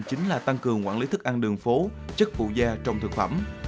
chính là tăng cường quản lý thức ăn đường phố chất vụ da trong thực phẩm